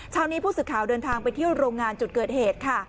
เช้านี้ผู้สื่อข่าวเดินทางไปเที่ยวโรงงานจุดเกิดเหตุค่ะ